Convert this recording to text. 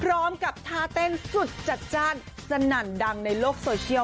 กับท่าเต้นสุดจัดจ้านสนั่นดังในโลกโซเชียล